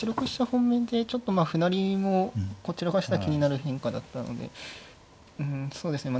本命でちょっとまあ歩成りもこちらからしたら気になる変化だったのでうんそうですね。